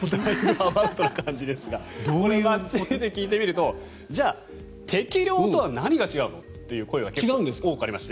アバウトな感じですがこれは街で聞いてみるとじゃあ適量とは何が違うの？という声が多くありました。